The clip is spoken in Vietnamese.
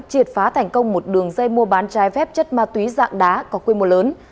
triệt phá thành công một đường dây mua bán trái phép chất ma túy dạng đá có quy mô lớn